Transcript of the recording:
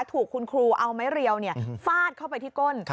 ถูกคุณครูเอาไม้เรียวฟาดเข้าไปที่ก้น